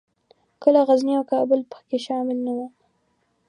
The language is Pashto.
کله غزني او کابل پکښې شامل نه وو.